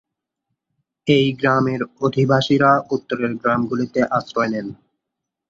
এই গ্রামের অধিবাসীরা উত্তরের গ্রামগুলিতে আশ্রয় নেন।